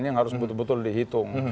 ini yang harus betul betul dihitung